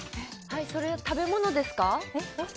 それは食べ物ですか？